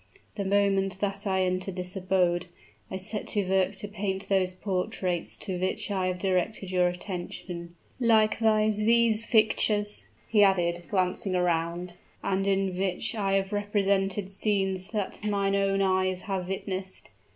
The moment that I entered this abode, I set to work to paint those portraits to which I have directed your attention likewise these pictures," he added, glancing around, "and in which I have represented scenes that my own eyes have witnessed.